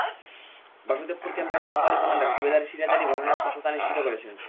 বাসুদপুর ক্যাম্পের company commander subedar Siraj Ali ঘটনার সত্যতা নিশ্চিত করেছেন।